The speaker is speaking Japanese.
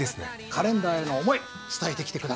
カレンダーへの思い伝えてきて下さい。